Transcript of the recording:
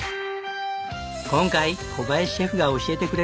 今回小林シェフが教えてくれるのは。